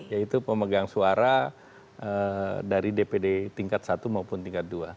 yaitu pemegang suara dari dpd tingkat satu maupun tingkat dua